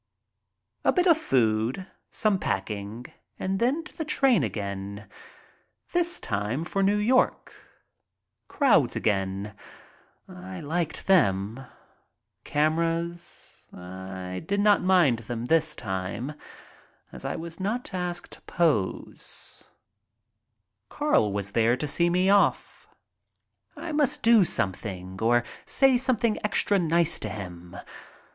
A bit of food, some packing, and then to the train again. This time for New York. Crowds again. I liked them. Cameras. I did not mind them this time, as I was not asked to pose. I DECIDE TO PLAY HOOKEY 7 Carl was there to see me off. I must do or say something extra nice to him.